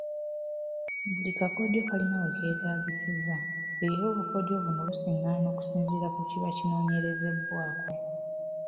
Buli kakodyo kalina we keetaagisiza era obukodyo buno busiŋŋana okusinziira ku kiba kinoonyerezebwako.